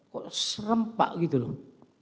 kok serempak gitu loh